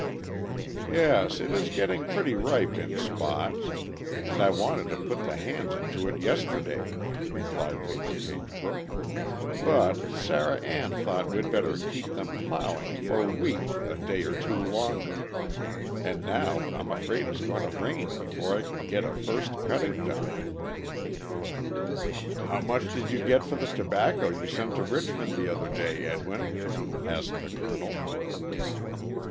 "Yes, it is getting pretty ripe in spots, and I wanted to put the hands into it yesterday," replied Maj. Pagebrook; "but Sarah Ann thought we'd better keep them plowing for wheat a day or two longer, and now I'm afraid it's going to rain before I can get a first cutting done." "How much did you get for the tobacco you sent to Richmond the other day, Edwin?" asked the colonel.